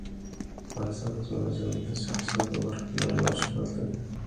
افغانستان د ځنګلي حاصلاتو په برخه کې نړیوال شهرت لري.